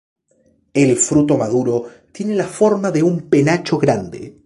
El fruto maduro tiene la forma de un penacho grande.